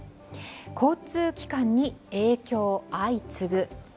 交通機関に影響相次ぐ。